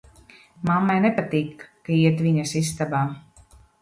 Mammai nepatīk, ka iet viņas istabā.